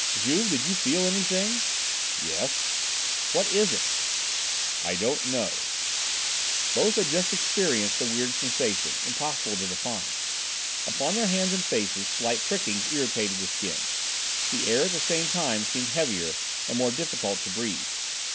"Juve! did you feel anything?" "Yes." "What is it?" "I don't know." Both had just experienced a weird sensation, impossible to define. Upon their hands and faces slight prickings irritated the skin. The air at the same time seemed heavier and more difficult to breathe.